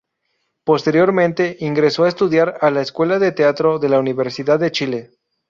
Posteriormente, ingresó a estudiar a la Escuela de Teatro de la Universidad de Chile.